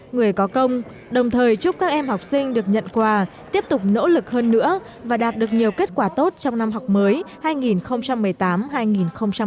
người có công đồng thời chúc các em học sinh được nhận quà tiếp tục nỗ lực hơn nữa và đạt được nhiều kết quả tốt trong năm học mới hai nghìn một mươi tám hai nghìn một mươi chín